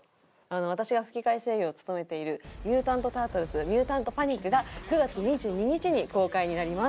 私が吹き替え声優を務めている『ミュータント・タートルズ：ミュータント・パニック！』が９月２２日に公開になります。